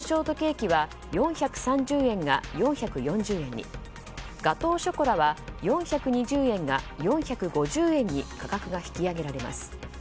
値上げ幅はおよそ９％で苺のショートケーキは４３０円が４４０円にガトーショコラは４２０円が４５０円に価格が引き上げられます。